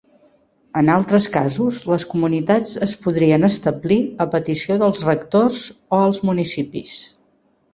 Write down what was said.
En altres casos, les comunitats es podrien establir a petició dels rectors o els municipis.